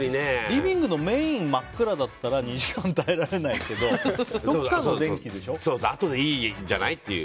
リビングのメインが真っ暗だったら２時間、耐えられないけどあとでいいんじゃない？